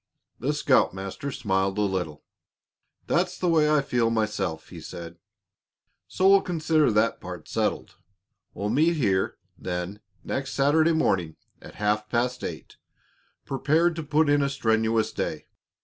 The scoutmaster smiled a little. "That's the way I feel myself," he said; "so we'll consider that part settled. We'll meet here, then, next Saturday morning at half past eight, prepared to put in a strenuous day.